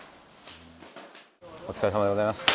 お疲れさまでございます。